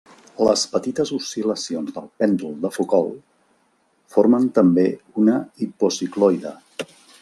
Les petites oscil·lacions del pèndol de Foucault formen també una hipocicloide.